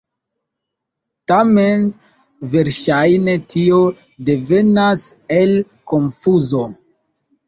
Tamen, verŝajne tio devenas el konfuzo.